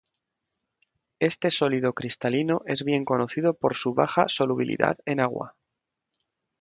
Este sólido cristalino es bien conocido por su baja solubilidad en agua.